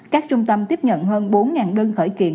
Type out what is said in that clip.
các trung tâm tiếp nhận hơn bốn đơn khởi kiện